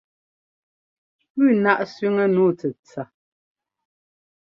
Puu náʼ sẅiŋɛ́ nǔu tsɛtsa.